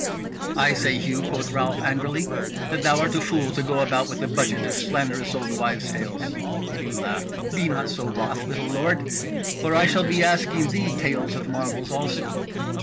"I say, Hugh," quoth Ralph angrily, "that thou art a fool to go about with a budget of slanderous old wives' tales." Hugh laughed. "Be not so wroth, little lord, or I shall be asking thee tales of marvels also.